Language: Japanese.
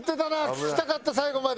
聞きたかった最後まで。